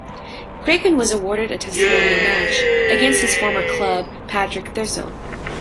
Craigan was awarded a testimonial match, against his former club Partick Thistle.